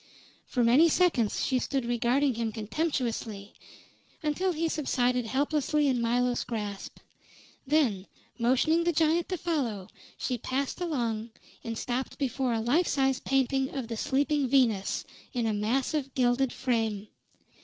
For many seconds she stood regarding him contemptuously, until he subsided helplessly in Milo's grasp; then, motioning the giant to follow, she passed along and stopped before a life size painting of "The Sleeping Venus" in a massive, gilded frame.